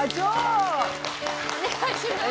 お願いします！